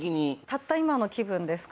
たった今の気分ですか？